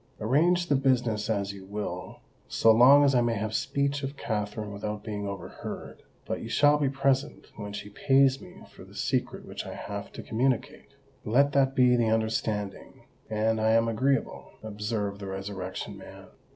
"Arrange the business as you will, so long as I may have speech of Katherine without being overheard; but you shall be present when she pays me for the secret which I have to communicate." "Let that be the understanding, and I am agreeable," observed the Resurrection Man.